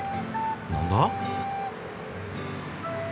何だ？